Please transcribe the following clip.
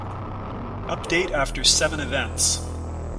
Update after seven events.